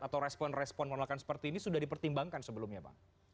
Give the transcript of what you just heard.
atau respon respon penolakan seperti ini sudah dipertimbangkan sebelumnya pak